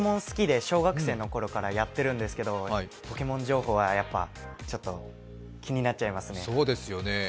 好きで小学生のころからやってるんですけど、「ポケモン」情報はちょっと気になっちゃいますね。